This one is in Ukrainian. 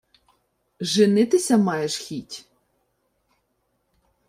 — Женитися маєш хіть?